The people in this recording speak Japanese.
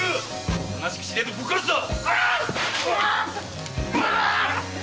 おとなしくしねえとぶっ殺すぞ！